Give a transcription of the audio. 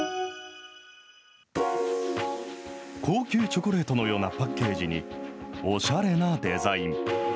高級チョコレートのようなパッケージに、おしゃれなデザイン。